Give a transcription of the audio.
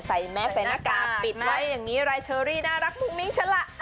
ใส่แม่แฟนหน้ากากปิดไว้อย่างงี้ไรเชอรี่น่ารักมึงมิ้งฉละ